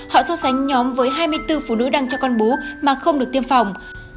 họ so sánh nhóm với hai mươi bốn phụ nữ đang cho con bú mà không được tiêm phòng